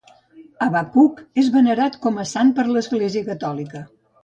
Habacuc és venerat com a sant per l'Església Catòlica.